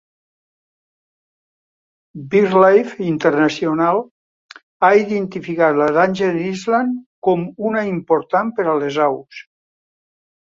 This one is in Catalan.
BirdLife International ha identificat la Danger Island com una important per a les aus.